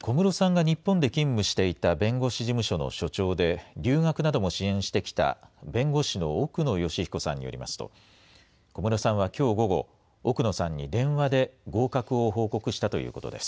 小室さんが日本で勤務していた弁護士事務所の所長で、留学なども支援してきた弁護士の奧野善彦さんによりますと、小室さんはきょう午後、奧野さんに電話で合格を報告したということです。